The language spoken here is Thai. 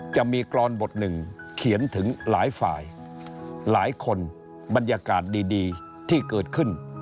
จะมีกรอนบทหนึ่งเขียนถึงหลายฝ่ายหลายคนบรรยากาศดีที่เกิดขึ้น